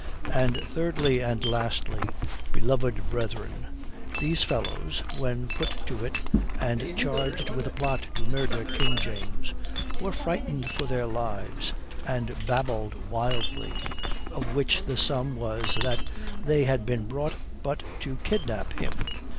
And thirdly and lastly, beloved brethren, these fellows, when put to it and charged with a plot to murder King James, were frightened for their lives and babbled wildly, of which the sum was that they had been brought but to kidnap him.